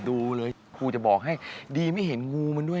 ดูเลยครูจะบอกให้ดีไม่เห็นงูมันด้วย